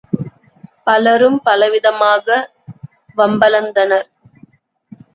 பலரும் பலவிதமாக வம்பளந்தனர்.